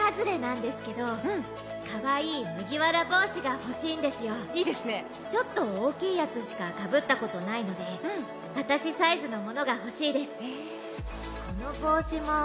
季節外れなんですけど、かわいい麦わら帽子がほしいんですよ、ちょっと大きいやつしかかぶったことないので私サイズのものが欲しいですね。